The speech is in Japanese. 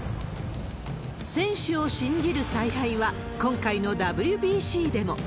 選手を信じる采配は、今回のＷＢＣでも。